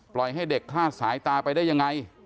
ปล่อยให้เด็กฆาตสายตาไปได้ยังไง